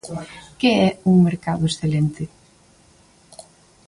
¿Que é un mercado excelente?